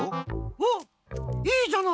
おっいいじゃない！